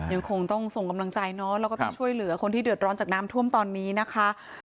ยังคงต้องส่งกำลังใจเนาะแล้วก็ต้องช่วยเหลือคนที่เดือดร้อนจากน้ำท่วมตอนนี้นะคะ